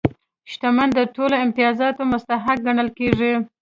شتمن د ټولو امتیازاتو مستحق ګڼل کېږي.